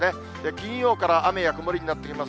金曜から雨や曇りになってきます。